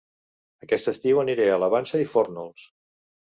Aquest estiu aniré a La Vansa i Fórnols